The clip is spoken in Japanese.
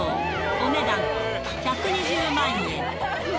お値段、１２０万円。